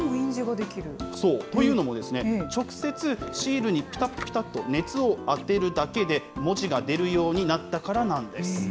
そう、というのも直接、シールにぴたっぴたっと熱を当てるだけで文字が出るようになったからなんです。